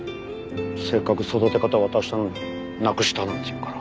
せっかく育て方渡したのになくしたなんて言うから。